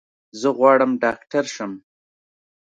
زه غواړم ډاکټر شم.